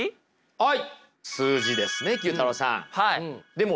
はい。